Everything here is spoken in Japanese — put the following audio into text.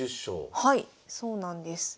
はいそうなんです。